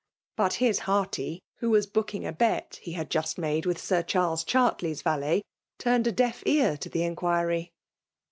But his ''hearty/' who was booking a bet he had just BDttdc vith Sir Cfaarka Chortley^s valct^ turned a deaf ear to the inqiiiry.